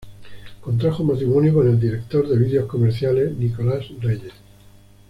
Contrajo matrimonio con el director de videos comerciales Nicolás Reyes.